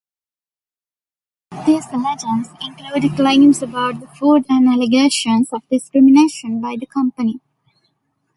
These legends include claims about the food and allegations of discrimination by the company.